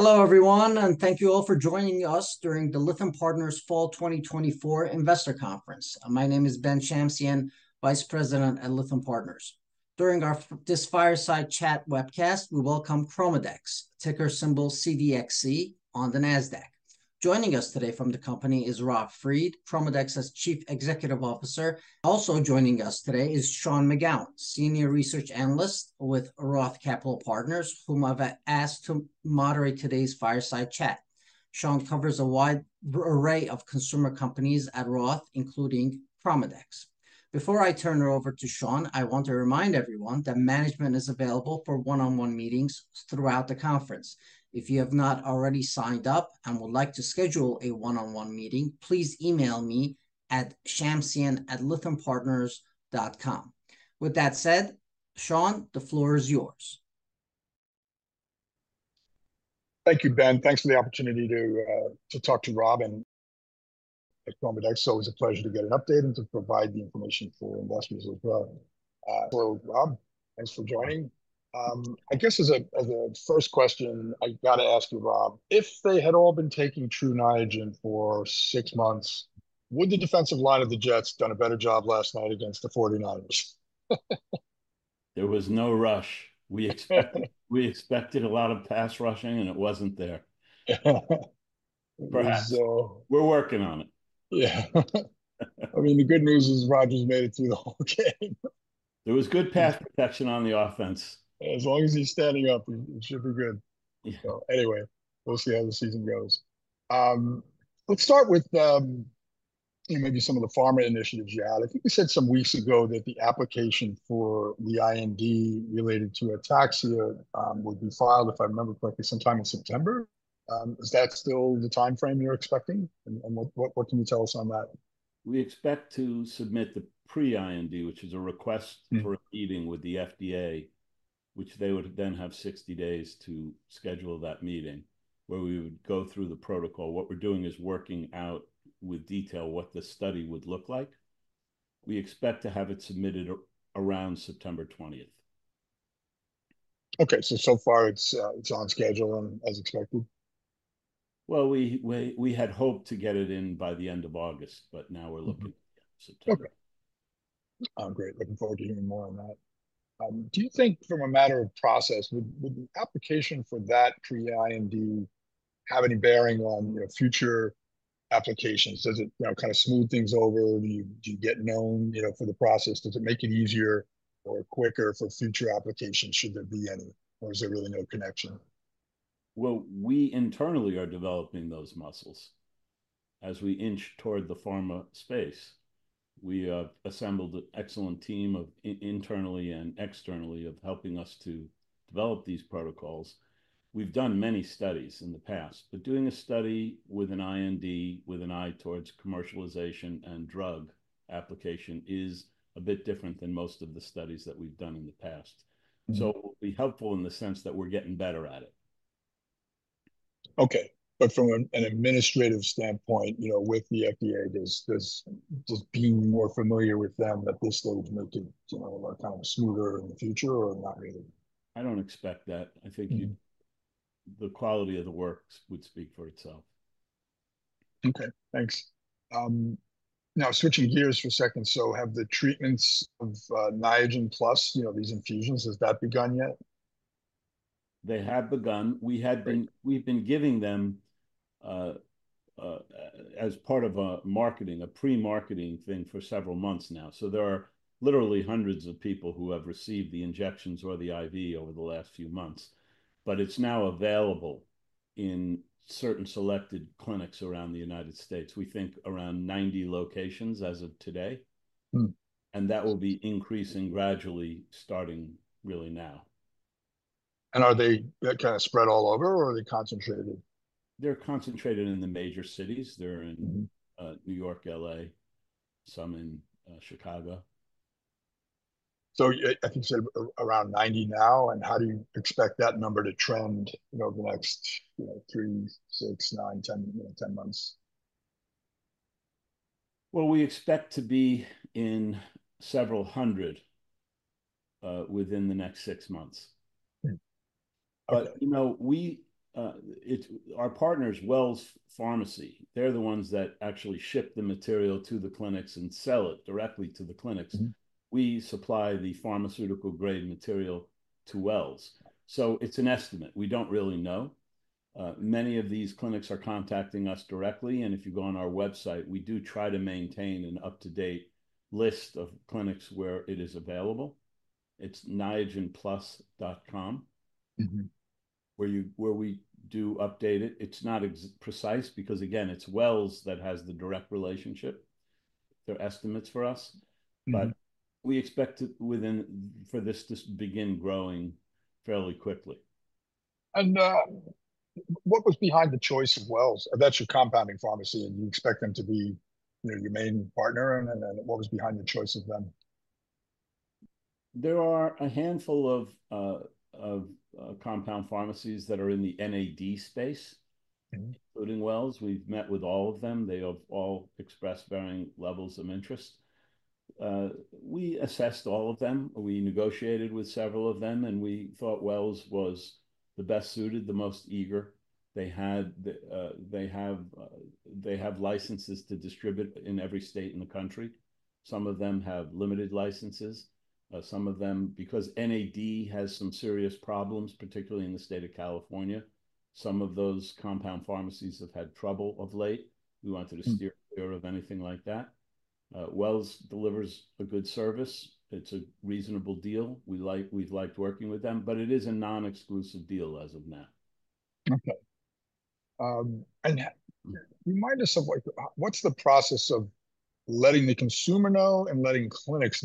Hello, everyone, and thank you all for joining us during the Lytham Partners Fall 2024 Investor Conference. My name is Ben Shamsian, Vice President at Lytham Partners. During our this fireside chat webcast, we welcome ChromaDex, ticker symbol CDXC on the NASDAQ. Joining us today from the company is Rob Fried, ChromaDex's Chief Executive Officer. Also joining us today is Sean McGowan, Senior Research Analyst with Roth Capital Partners, whom I've asked to moderate today's fireside chat. Sean covers a wide array of consumer companies at Roth, including ChromaDex. Before I turn it over to Sean, I want to remind everyone that management is available for one-on-one meetings throughout the conference. If you have not already signed up and would like to schedule a one-on-one meeting, please email me at shamsian@lythampartners.com. With that said, Sean, the floor is yours. Thank you, Ben. Thanks for the opportunity to talk to Rob and at ChromaDex, always a pleasure to get an update and to provide the information for investors as well. So Rob, thanks for joining. I guess as a first question, I've got to ask you, Rob, if they had all been taking Tru Niagen for six months, would the defensive line of the Jets done a better job last night against the 49ers? There was no rush. We expected a lot of pass rushing, and it wasn't there. So- Perhaps. We're working on it. Yeah. I mean, the good news is Rodgers made it through the whole game. There was good pass protection on the offense. As long as he's standing up, we should be good. Yeah. So anyway, we'll see how the season goes. Let's start with, you know, maybe some of the pharma initiatives you had. I think you said some weeks ago that the application for the IND related to ataxia would be filed, if I remember correctly, sometime in September. Is that still the timeframe you're expecting? And, what can you tell us on that? We expect to submit the pre-IND, which is a request for a meeting with the FDA, which they would then have sixty days to schedule that meeting, where we would go through the protocol. What we're doing is working out with detail what the study would look like. We expect to have it submitted around September 20th. Okay, so far it's on schedule and as expected? We had hoped to get it in by the end of August, but now we're looking at September. Okay. Great, looking forward to hearing more on that. Do you think from a matter of process, would the application for that pre-IND have any bearing on, you know, future applications? Does it, you know, kind of smooth things over? Do you get known, you know, for the process? Does it make it easier or quicker for future applications, should there be any, or is there really no connection? We internally are developing those muscles as we inch toward the pharma space. We have assembled an excellent team internally and externally of helping us to develop these protocols. We've done many studies in the past, but doing a study with an IND, with an eye towards commercialization and drug application, is a bit different than most of the studies that we've done in the past. Mmh. It will be helpful in the sense that we're getting better at it. Okay, but from an administrative standpoint, you know, with the FDA, does just being more familiar with them at this stage make things, you know, a lot kind of smoother in the future or not really? I don't expect that. Mmh. I think the quality of the works would speak for itself. Okay, thanks. Now switching gears for a second, so have the treatments of Niagen Plus, you know, these infusions, has that begun yet? They have begun. We've been giving them as part of a marketing, a pre-marketing thing for several months now. So there are literally hundreds of people who have received the injections or the IV over the last few months. But it's now available in certain selected clinics around the United States, we think around 90 locations as of today. Mmh. That will be increasing gradually, starting really now. Are they kind of spread all over, or are they concentrated? They're concentrated in the major cities. Mm-hmm. They're in New York, L.A., some in Chicago. I think you said around ninety now, and how do you expect that number to trend, you know, over the next, you know, 3, 6, 9, 10, you know, 10 months? We expect to be in several hundred within the next six months. Mm. Okay. But, you know, we... Our partner is Wells Pharmacy. They're the ones that actually ship the material to the clinics and sell it directly to the clinics. Mm-hmm. We supply the pharmaceutical-grade material to Wells. So it's an estimate. We don't really know. Many of these clinics are contacting us directly, and if you go on our website, we do try to maintain an up-to-date list of clinics where it is available. It's niagenplus.com. Mm-hmm... where we do update it. It's not exactly precise because, again, it's Wells that has the direct relationship. They're estimates for us. Mm-hmm. But we expect it within, for this to begin growing fairly quickly. What was behind the choice of Wells? That's your compounding pharmacy, and you expect them to be, you know, your main partner, and then what was behind the choice of them? There are a handful of compound pharmacies that are in the NAD space, including Wells. We've met with all of them. They have all expressed varying levels of interest. We assessed all of them, we negotiated with several of them, and we thought Wells was the best suited, the most eager. They have licenses to distribute in every state in the country. Some of them have limited licenses, some of them, because NAD has some serious problems, particularly in the state of California, some of those compound pharmacies have had trouble of late. Hmm. We wanted to steer clear of anything like that. Wells delivers a good service. It's a reasonable deal. We've liked working with them, but it is a non-exclusive deal as of now. Okay. And remind us of like, what's the process of letting the consumer know and letting clinics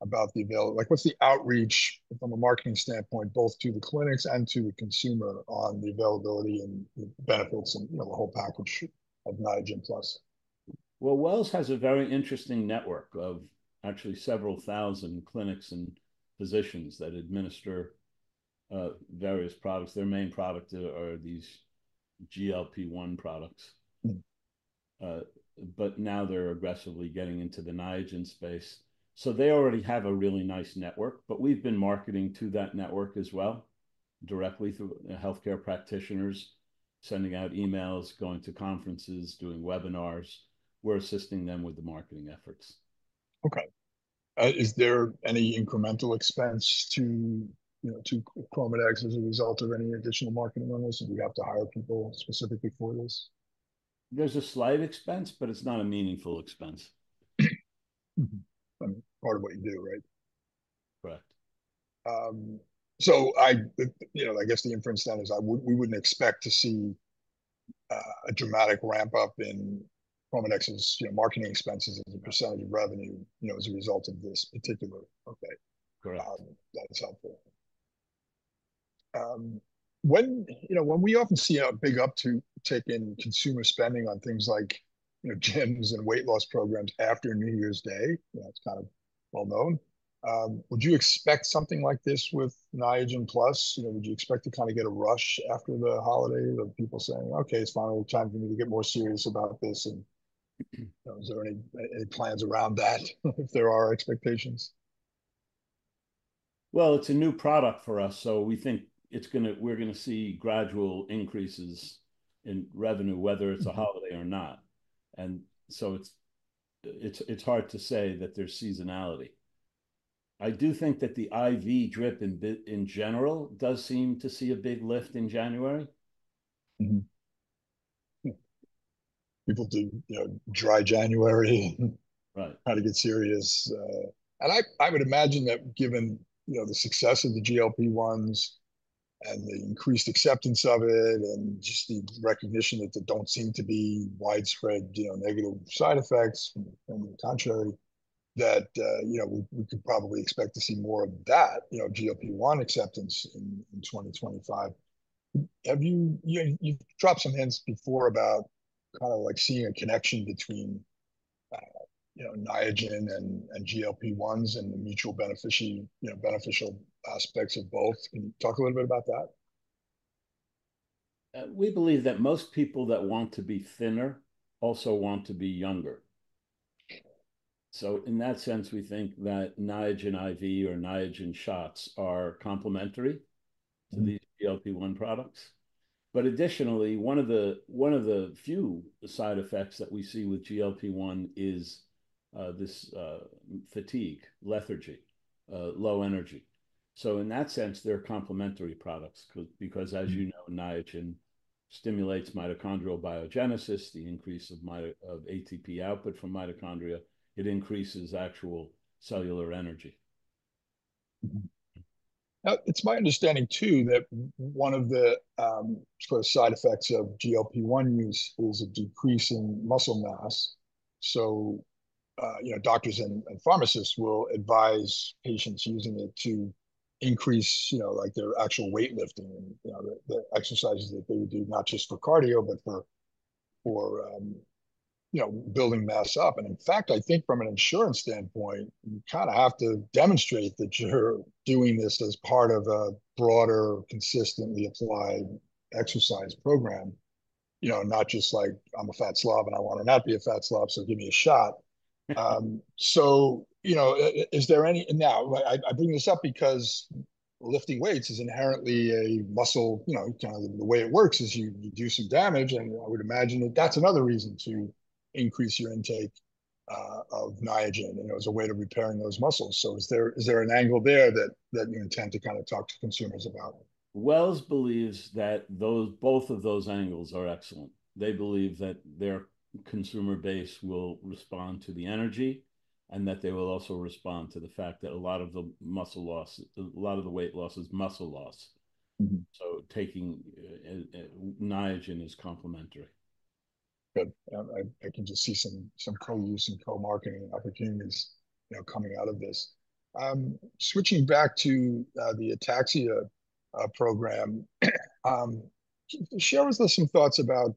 know about the availability. Like, what's the outreach from a marketing standpoint, both to the clinics and to the consumer on the availability and the benefits and, you know, the whole package of Niagen Plus? Wells has a very interesting network of actually several thousand clinics and physicians that administer various products. Their main product are these GLP-1 products. Hmm. But now they're aggressively getting into the Niagen space. So they already have a really nice network, but we've been marketing to that network as well, directly through healthcare practitioners, sending out emails, going to conferences, doing webinars. We're assisting them with the marketing efforts. Okay. Is there any incremental expense to, you know, to ChromaDex as a result of any additional marketing on this? Do we have to hire people specifically for this? There's a slight expense, but it's not a meaningful expense. Mm-hmm. I mean, part of what you do, right? Correct. So, I you know, I guess the inference then is we wouldn't expect to see a dramatic ramp-up in ChromaDex's you know, marketing expenses as a percentage of revenue, you know, as a result of this particular contract. Correct. That's helpful. You know, when we often see a big uptake in consumer spending on things like, you know, gyms and weight loss programs after New Year's Day, that's kind of well known. Would you expect something like this with Niagen Plus? You know, would you expect to kind of get a rush after the holiday of people saying, "Okay, it's finally time for me to get more serious about this"? And, is there any plans around that, if there are expectations? It's a new product for us, so we think it's gonna we're gonna see gradual increases in revenue, whether it's a holiday or not, and so it's hard to say that there's seasonality. I do think that the IV drip in general does seem to see a big lift in January. Mm-hmm. People do, you know, Dry January - Right... kind of get serious, and I would imagine that given, you know, the success of the GLP-1s, and the increased acceptance of it, and just the recognition that there don't seem to be widespread, you know, negative side effects, on the contrary, that, you know, we could probably expect to see more of that, you know, GLP-1 acceptance in 2025. Have you... You've dropped some hints before about kind of like seeing a connection between, you know, Niagen and GLP-1s, and the mutual beneficial aspects of both. Can you talk a little bit about that? We believe that most people that want to be thinner also want to be younger. Okay. So in that sense, we think that Niagen IV or Niagen shots are complementary- Mmh... to these GLP-1 products. But additionally, one of the few side effects that we see with GLP-1 is this fatigue, lethargy, low energy. So in that sense, they're complementary products, because as you know Niagen stimulates mitochondrial biogenesis, the increase of ATP output from mitochondria. It increases actual cellular energy. It's my understanding, too, that one of the sort of side effects of GLP-1 use is a decrease in muscle mass, so you know, doctors and pharmacists will advise patients using it to increase, you know, like, their actual weightlifting and, you know, the exercises that they would do, not just for cardio, but for building mass up. And in fact, I think from an insurance standpoint, you kind of have to demonstrate that you're doing this as part of a broader, consistently applied exercise program. You know, not just like, "I'm a fat slob, and I want to not be a fat slob, so give me a shot. Mmh. So, you know, is there any... Now, I bring this up because lifting weights is inherently a muscle... You know, kind of the way it works is you do some damage, and I would imagine that that's another reason to increase your intake of Niagen, you know, as a way to repairing those muscles. So is there an angle there that you intend to kind of talk to consumers about? Wells believes that those, both of those angles are excellent. They believe that their consumer base will respond to the energy, and that they will also respond to the fact that a lot of the muscle loss, a lot of the weight loss is muscle loss. Mm-hmm. So taking Niagen is complementary. Good. I can just see some co-use and co-marketing opportunities, you know, coming out of this. Switching back to the ataxia program, share with us some thoughts about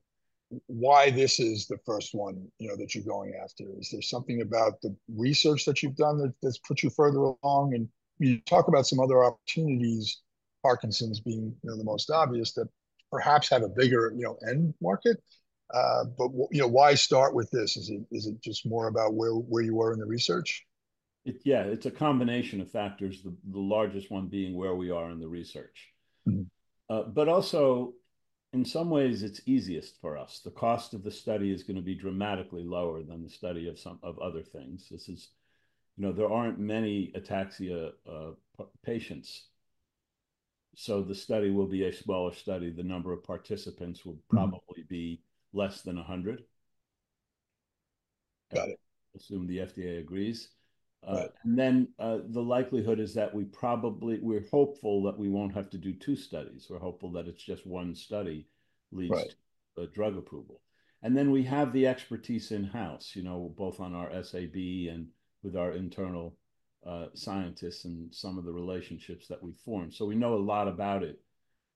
why this is the first one, you know, that you're going after? Is there something about the research that you've done that's put you further along? And you talk about some other opportunities, Parkinson's being, you know, the most obvious, that perhaps have a bigger, you know, end market. But you know, why start with this? Is it just more about where you are in the research? Yeah, it's a combination of factors, the largest one being where we are in the research. Mm-hmm. But also, in some ways, it's easiest for us. The cost of the study is gonna be dramatically lower than the study of some of other things. This is... You know, there aren't many ataxia patients, so the study will be a smaller study. The number of participants will probably be less than 100. Got it. Assume the FDA agrees. Right. and then, the likelihood is that we probably... We're hopeful that we won't have to do two studies. We're hopeful that it's just one study leads- Right... to drug approval, and then we have the expertise in-house, you know, both on our SAB and with our internal scientists and some of the relationships that we've formed. So we know a lot about it,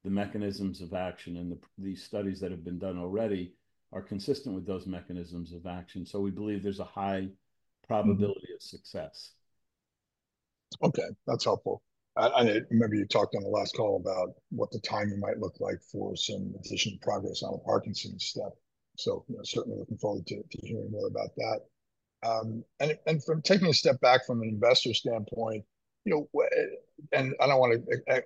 the mechanisms of action, and these studies that have been done already are consistent with those mechanisms of action. So we believe there's a high probability of success. Okay, that's helpful. And maybe you talked on the last call about what the timing might look like for some efficient progress on the Parkinson's stuff, so, you know, certainly looking forward to hearing more about that. And from taking a step back from an investor standpoint, you know, and I don't wanna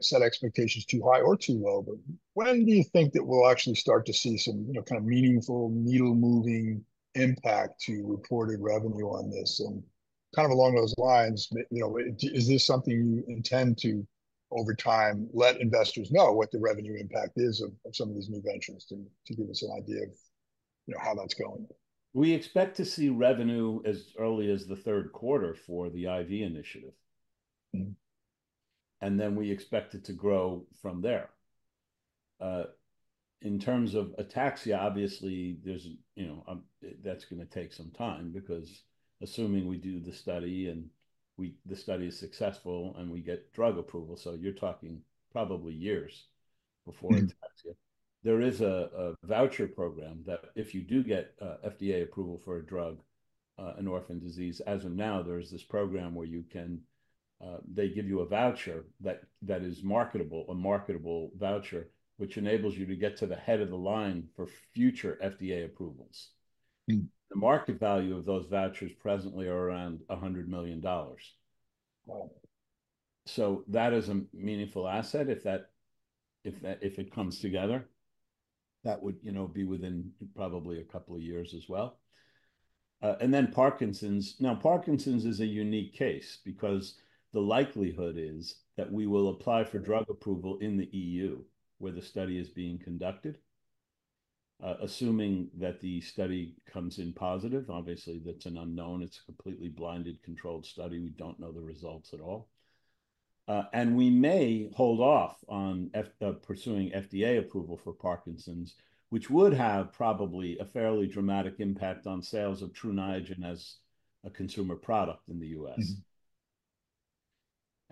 set expectations too high or too low, but when do you think that we'll actually start to see some, you know, kind of meaningful, needle-moving impact to reported revenue on this? And kind of along those lines, you know, is this something you intend to, over time, let investors know what the revenue impact is of some of these new ventures, to give us an idea of, you know, how that's going? We expect to see revenue as early as the third quarter for the IV initiative. Mmh. Then we expect it to grow from there. In terms of ataxia, obviously there's, you know, that's gonna take some time because assuming we do the study, the study is successful, and we get drug approval, so you're talking probably years before ataxia. There is a voucher program that if you do get FDA approval for a drug, an orphan disease, as of now, there is this program where you can. They give you a voucher that is marketable, a marketable voucher, which enables you to get to the head of the line for future FDA approvals. Mmh. The market value of those vouchers presently are around $100 million. Wow! So that is a meaningful asset if it comes together. That would, you know, be within probably a couple of years as well. And then Parkinson's. Now, Parkinson's is a unique case because the likelihood is that we will apply for drug approval in the EU, where the study is being conducted, assuming that the study comes in positive. Obviously, that's an unknown. It's a completely blinded, controlled study. We don't know the results at all. And we may hold off on pursuing FDA approval for Parkinson's, which would have probably a fairly dramatic impact on sales of Tru Niagen as a consumer product in the US.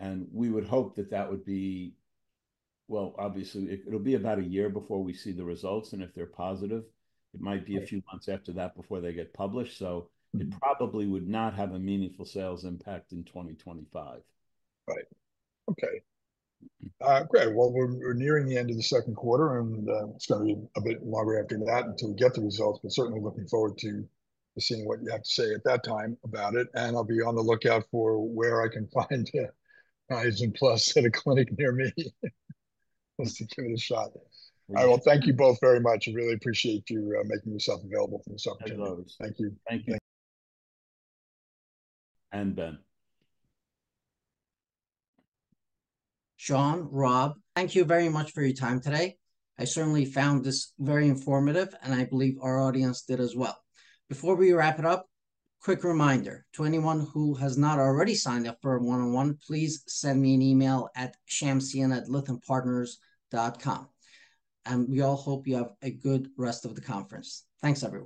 Mmh. We would hope that would be. Well, obviously, it, it'll be about a year before we see the results, and if they're positive, it might be a few months after that before they get published. Mmh. So it probably would not have a meaningful sales impact in 2025. Right. Okay. Great, well, we're nearing the end of the second quarter, and it's gonna be a bit longer after that until we get the results. But certainly looking forward to seeing what you have to say at that time about it, and I'll be on the lookout for where I can find Niagen Plus at a clinic near me once you give it a shot. Right. Well, thank you both very much. I really appreciate you making yourself available for this opportunity. Thank you, Rob. Thank you. And Ben. Sean, Rob, thank you very much for your time today. I certainly found this very informative, and I believe our audience did as well. Before we wrap it up, quick reminder to anyone who has not already signed up for a one-on-one, please send me an email at shamsian@lythampartners.com, and we all hope you have a good rest of the conference. Thanks, everyone.